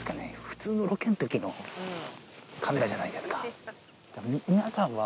普通のロケのときのカメラじゃないですか。